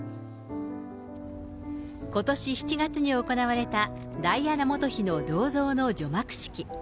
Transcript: ことし７月に行われたダイアナ元妃の銅像の除幕式。